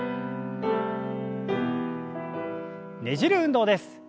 ねじる運動です。